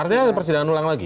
artinya persidangan ulang lagi